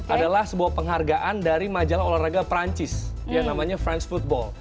adalah sebuah penghargaan dari majalah olahraga perancis yang namanya frience football